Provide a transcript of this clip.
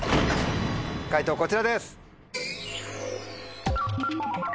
解答こちらです。